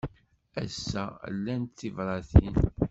Ass-a, llant tebṛatin?